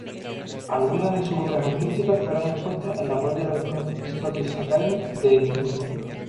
Alguna de sus obras artísticas fueron expuestas en la "Royal Scottish Academy" de Edinburgo.